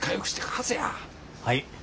はい。